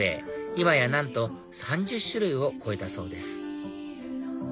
今やなんと３０種類を超えたそうです